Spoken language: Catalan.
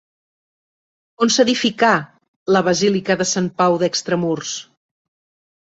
On s'edificà la basílica de Sant Pau Extramurs?